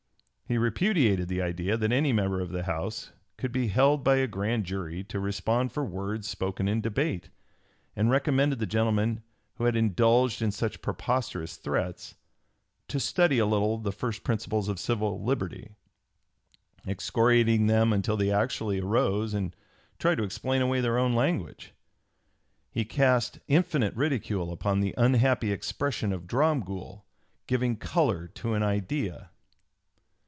He repudiated the idea that any member of the House could be held by a grand jury to respond for words spoken in debate, and recommended the gentlemen who had indulged in such preposterous threats "to study a little the first principles of civil liberty," excoriating them until they actually arose and tried to explain away their own language. He cast infinite ridicule upon the unhappy expression of Dromgoole, "giving color to an idea."